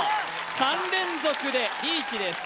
３連続でリーチです